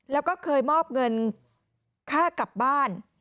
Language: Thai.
แล้วก็เคยมอบเงินค่ากลับบ้าน